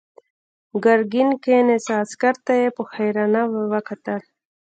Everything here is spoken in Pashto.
ګرګين کېناست، عسکر ته يې په حيرانۍ وکتل.